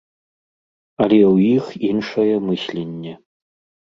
Але ў іх іншае мысленне.